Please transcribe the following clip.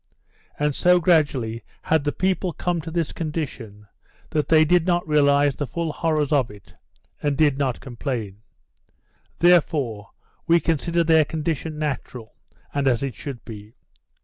And so gradually had the people come to this condition that they did not realise the full horrors of it, and did not complain. Therefore, we consider their condition natural and as it should be.